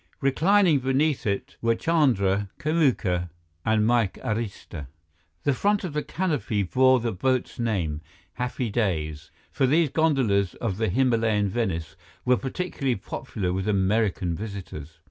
Reclining beneath it were Chandra, Kamuka, and Mike Arista. The front of the canopy bore the boat's name, Happy Daze, for these gondolas of the Himalayan Venice were particularly popular with American visitors.